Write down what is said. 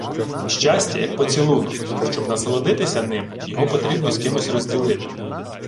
Щастя – як поцілунок: щоб насолодитися ним, його потрібно з кимось розділити.